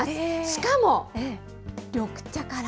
しかも緑茶から。